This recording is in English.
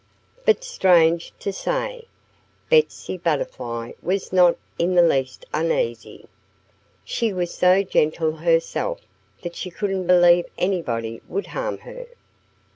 But, strange to say, Betsy Butterfly was not in the least uneasy. She was so gentle herself that she couldn't believe anybody would harm her.